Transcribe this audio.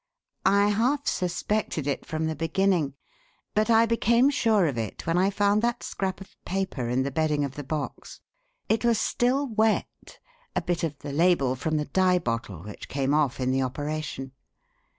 I half suspected it from the beginning, but I became sure of it when I found that scrap of paper in the bedding of the box. It was still wet a bit of the label from the dye bottle which came off in the operation.